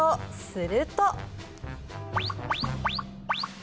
すると。